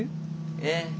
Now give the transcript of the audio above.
ええ。